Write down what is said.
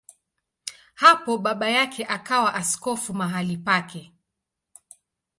Hapo baba yake akawa askofu mahali pake.